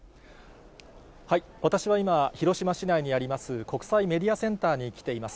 私は今、広島市内にあります、国際メディアセンターに来ています。